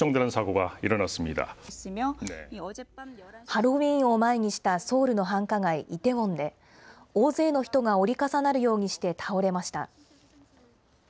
ハロウィーンを前にしたソウルの繁華街、イテウォンで、大勢の人が折り重なるようにして倒れました。